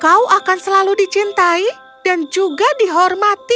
kau akan selalu dicintai dan juga dihormati